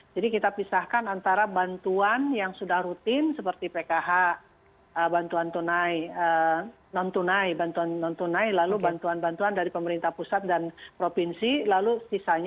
jadi kita pisahkan antara bantuan yang sudah rutin seperti pkh bantuan non tunai lalu bantuan bantuan dari pemerintah pusat dan program